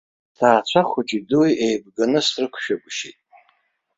Сҭаацәа хәыҷи-дуи еибганы срықәшәагәышьеит.